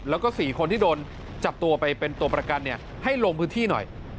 แล้วก็๔คนที่โดนจับตัวไปเป็นตัวประกันให้ลงพื้นที่หน่อย